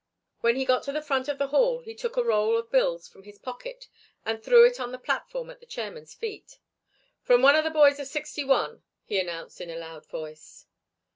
When he got to the front of the hall he took a roll of bills from his pocket and threw it on the platform at the chairman's feet. "From one of the boys of '61," he announced in a loud voice.